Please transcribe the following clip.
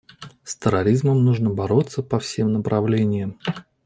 С терроризмом нужно бороться по всем направлениям.